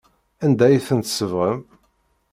Anda ay ten-tsebɣem?